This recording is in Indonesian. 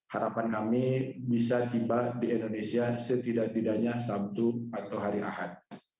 harapan kami bisa tiba di indonesia setidak tidaknya sabtu atau hari ahad